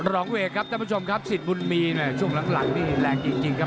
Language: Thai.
รองเวกครับท่านผู้ชมครับสิทธิ์บุญมีเนี่ยช่วงหลังนี่แรงจริงครับ